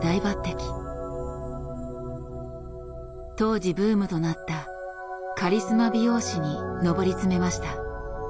当時ブームとなったカリスマ美容師に上り詰めました。